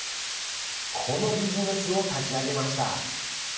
このビジネスを立ち上げました。